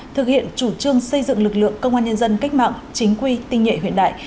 thực hiện chủ trương xây dựng lực lượng công an nhân dân cách mạng chính quy tinh nhuệ hiện đại